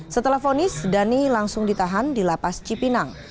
setelah fonis dhani langsung ditahan di lapas cipinang